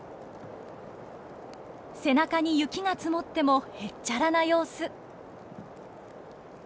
背中に雪が積もってもへっちゃらな様子。